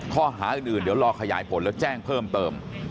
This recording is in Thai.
ข้อหาอื่นเดี๋ยวรอขยายผลแล้วแจ้งเพิ่มเติม